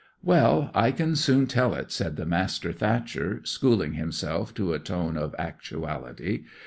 'Well, I can soon tell it,' said the master thatcher, schooling himself to a tone of actuality.